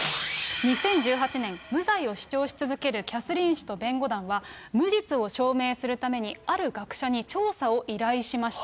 ２０１８年、無罪を主張し続けるキャスリーン氏と弁護団は、無実を証明するために、ある学者に調査を依頼しました。